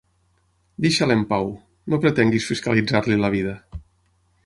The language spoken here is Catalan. Deixa'l en pau: no pretenguis fiscalitzar-li la vida.